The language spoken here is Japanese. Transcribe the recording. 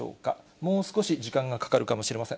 もう少し時間がかかるかもしれません。